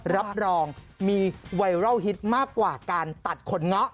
รับรองมีไวรัลฮิตมากกว่าการตัดขนเงาะ